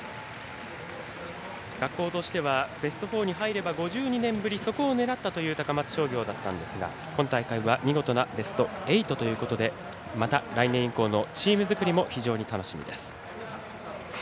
学校としてはベスト４に入れば５２年ぶり、そこを願ったという高松商業だったんですが今大会は見事なベスト８ということでまた来年以降のチーム作りも非常に楽しみです。